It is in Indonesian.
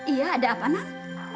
iya ada apa nam